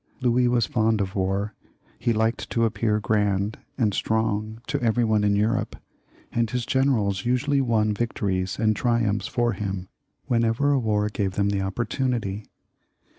Louis was fond of war ; he liked to ap pear grand and strong to every one in Europe, and his generals usually won victories and triumphs for him when ever a war gave them the opportunity.